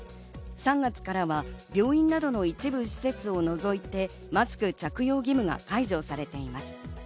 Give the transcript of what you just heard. ３月からは病院などの一部施設を除いてマスク着用義務が解除されています。